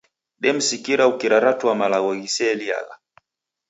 Demsikira ukiraratua malagho ghiseeliagha.